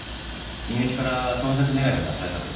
身内から捜索願が出されたそうです。